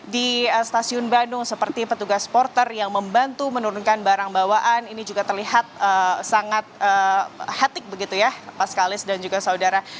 di stasiun bandung seperti petugas porter yang membantu menurunkan barang bawaan ini juga terlihat sangat hetik begitu ya paskalis dan juga saudara